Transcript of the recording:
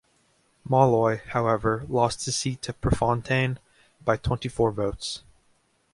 Molloy, however, lost his seat to Prefontaine by twenty-four votes.